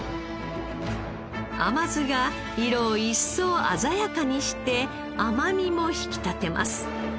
甘酢が色を一層鮮やかにして甘みも引き立てます。